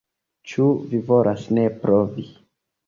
Ĉu vi volas ne provi?